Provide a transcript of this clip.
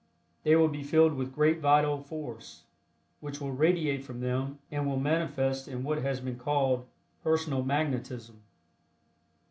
They will be filled with great vital force, which will radiate from them and will manifest in what has been called "personal magnetism."